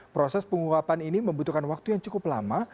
proses penguapan ini membutuhkan waktu yang cukup lama